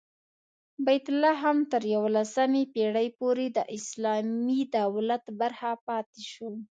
بیت لحم تر یوولسمې پېړۍ پورې د اسلامي دولت برخه پاتې شو.